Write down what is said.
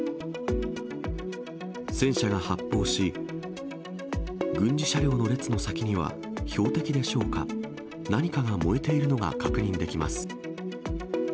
戦車が発砲し、軍事車両の列の先には、標的でしょうか、何かが燃えているのが確認できます。